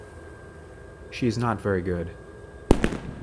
She's not very good.